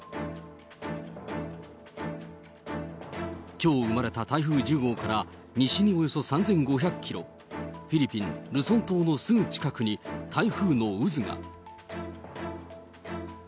きょう生まれた台風１０号から西におよそ３５００キロ、フィリピン・ルソン島のすぐ近くに台風の渦が。